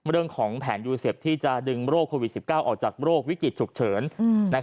เรื่องของแผนยูเซฟที่จะดึงโรคโควิด๑๙ออกจากโรควิกฤตฉุกเฉิน